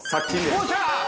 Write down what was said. ◆おっしゃ！